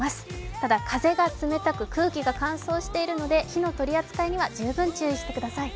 ただ、風が冷たく、空気が乾燥しているので、火の取り扱いには十分注意してください。